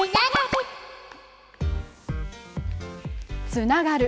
つながる。